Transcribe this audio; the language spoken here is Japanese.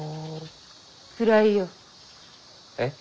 暗いよ。えっ？